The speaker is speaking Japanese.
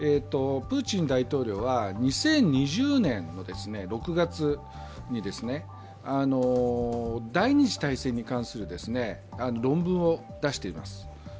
プーチン大統領は２０２０年の６月に第二次大戦に関する論文を出しています。